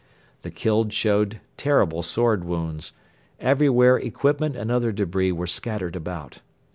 The killed showed terrible sword wounds; everywhere equipment and other debris were scattered about.